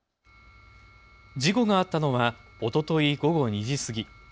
事故があったのはおととい午後２時過ぎ。